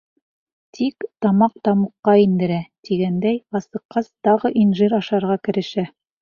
Тик, «тамаҡ тамуҡҡа индерә» тигәндәй, асыҡҡас, тағы инжир ашарға керешә.